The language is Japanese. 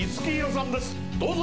どうぞ！